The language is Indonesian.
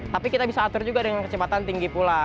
tapi kita bisa atur juga dengan kecepatan tinggi pula